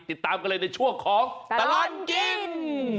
ติดตามกันเลยในช่วงของตลอดกิน